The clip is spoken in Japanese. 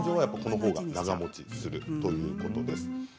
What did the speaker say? そのほうが長もちするということです。